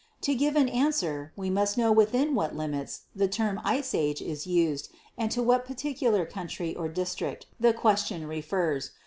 To give an answer, we must know within what limits the term Ice Age is used and to what particular country or district the question refers.